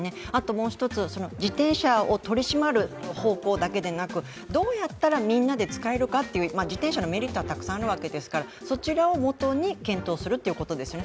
もう一つ、自転車を取り締まる方向だけではなく、どうやったらみんなで使えるかという、自転車のメリットはたくさんあるわけですから、そちらをもとに検討するということですよね